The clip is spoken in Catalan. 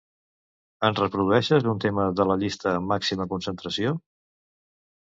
Ens reprodueixes un tema de la llista "màxima concentració"?